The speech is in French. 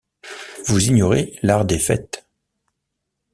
Vous ignorez l’art des fêtes.